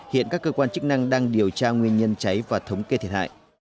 hiện các cơ quan chức năng đang điều tra nguyên nhân cháy và thống kê thiệt hại